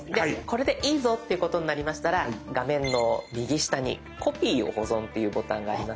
これでいいぞってことになりましたら画面の右下に「コピーを保存」というボタンがありますので。